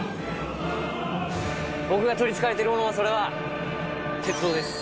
僕が取りつかれているもの、それは鉄道です。